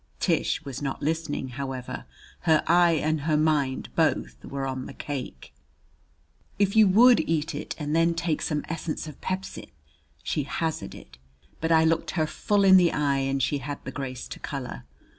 Tish was not listening, however. Her eye and her mind both were on the cake. "If you would eat it and then take some essence of pepsin " she hazarded. But I looked her full it the eye and she had the grace to color.